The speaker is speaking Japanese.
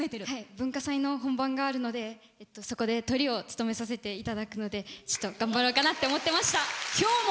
文化祭の本番があるのでそこでトリを務めさせていただくのでちょっと頑張ろうかなとお名前、どうぞ。